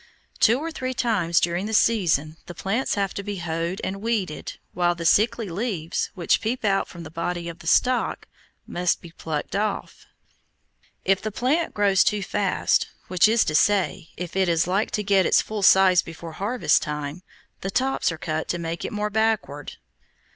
Two or three times during the season the plants have to be hoed and weeded, while the sickly leaves, which peep out from the body of the stock, must be plucked off. If the plant grows too fast, which is to say, if it is like to get its full size before harvest time, the tops are cut to make it more backward.